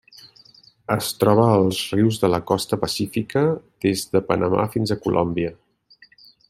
Es troba als rius de la costa pacífica des de Panamà fins a Colòmbia.